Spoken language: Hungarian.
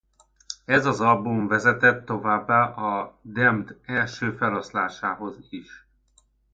Ez az album vezetett továbbá a Damned első feloszlásához is.